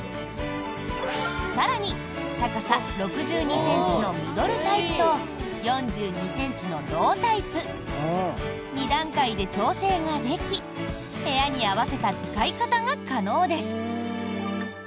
更に高さ６２ｃｍのミドルタイプと４２ｃｍのロータイプ２段階で調整ができ部屋に合わせた使い方が可能です。